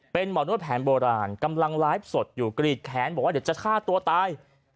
เป็นหมอนวดแผนโบราณกำลังไลฟ์สดอยู่กรีดแขนบอกว่าเดี๋ยวจะฆ่าตัวตาย